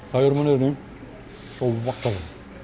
sayur menir ini sopak tau